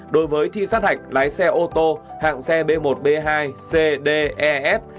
đối với thi sát hạch lái xe ô tô hạng xe b một b hai c d e f